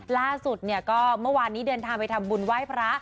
ล่าสุดเนี่ยก็เมื่อวานนี้เดินทางไปทำบุญไหว้พระ